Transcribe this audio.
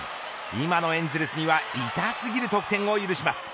今のエンゼルスには痛すぎる得点を許します。